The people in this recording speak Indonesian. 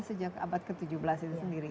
sejak abad ke tujuh belas itu sendiri